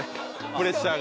プレッシャー？